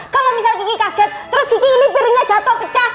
kalo misal kiki kaget terus kiki ini piringnya jatuh pecah